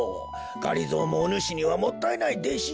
がりぞーもおぬしにはもったいないでしじゃ。